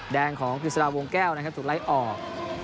แดงของกฤษฎาวงแก้วนะครับถูกไล่ออก